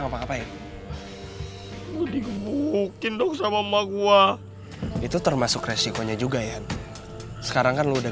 ngapa ngapain dikebukin dong sama emak gua itu termasuk resikonya juga ya sekarang kan lu udah